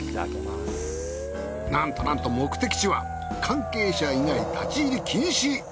なんとなんと目的地は関係者以外立入禁止。